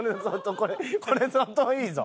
これ相当いいぞ。